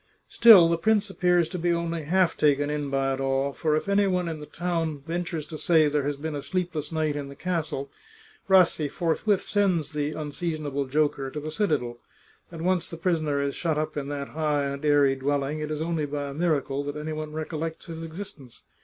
Still the prince appears to be only half taken in by it all, for if any one in the town vent ures to say there has been a sleepless night in the castle, Rassi forthwith sends the unseasonable joker to the citadel, and once the prisoner is shut up in that high and airy dwell ing, it is only by a miracle that any one recollects his exis tence.